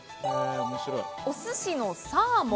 お寿司のサーモン？